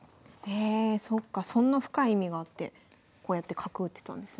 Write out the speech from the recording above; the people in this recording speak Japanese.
えそっかそんな深い意味があってこうやって角打ってたんですね。